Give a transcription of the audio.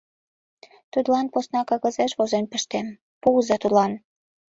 Тудлан посна кагазеш возен пыштем, пуыза тудлан.